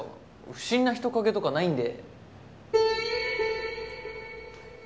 不審な人影とかないんで。